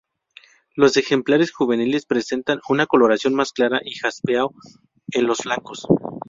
Los ejemplares juveniles presentan una coloración más clara y jaspeado en los flancos.